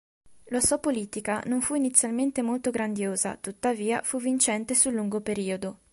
La sua politica non fu inizialmente molto grandiosa, tuttavia fu vincente sul lungo periodo.